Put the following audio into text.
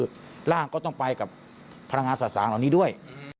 ก็คือร่างก็ต้องไปกับพลังงานสั่งตรงนี้ด้วย